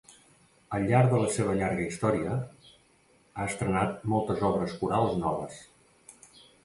Al llarg de la seva llarga història, ha estrenat moltes obres corals noves.